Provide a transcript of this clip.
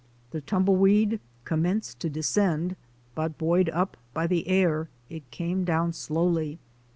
The tumbleweed commenced to descend, but buoyed up by the air it came down slowly.